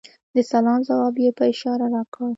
د سلام ځواب یې په اشاره راکړ .